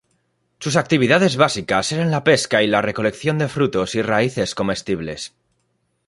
Sus actividades básicas eran la pesca y la recolección de frutos y raíces comestibles.